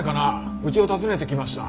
うちを訪ねてきました。